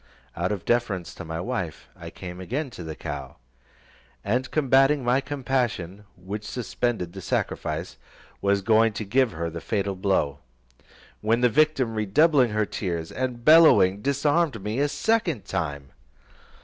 Out of deference to my wife, I came again to the cow, and combating my compassion, which suspended the sacrifice, was going to give her the fatal blow, when the victim redoubling her tears, and bellowing, disarmed me a second time.